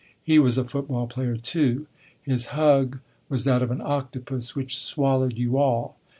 He was a football player too; his hug was that of an octopus which swallowed you all.